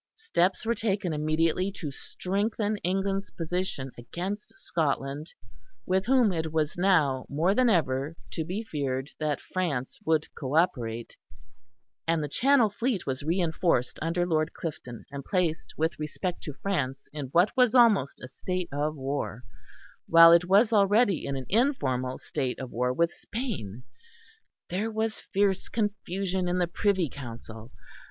Steps were taken immediately to strengthen England's position against Scotland with whom it was now, more than ever, to be feared that France would co operate; and the Channel Fleet was reinforced under Lord Clinton, and placed with respect to France in what was almost a state of war, while it was already in an informal state of war with Spain. There was fierce confusion in the Privy Council.